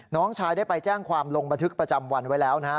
น้องชายได้ไปแจ้งความลงบันทึกประจำวันไว้แล้วนะฮะ